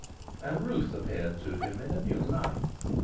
And Ruth appeared to him in a new light.